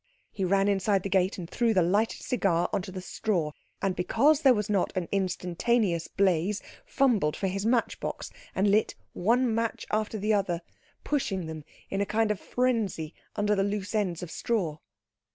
He ran inside the gate and threw the lighted cigar on to the straw; and because there was not an instantaneous blaze fumbled for his matchbox, and lit one match after the other, pushing them in a kind of frenzy under the loose ends of straw.